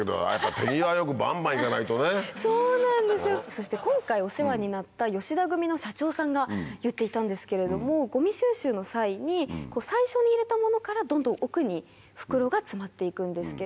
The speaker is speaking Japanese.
そして今回お世話になった吉田組の社長さんが言っていたんですけれどもごみ収集の際に最初に入れたものからどんどん奥に袋が詰まっていくんですけど。